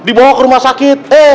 nah dibawa ke rumah sakit